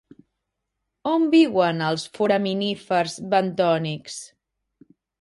On viuen els foraminífers bentònics?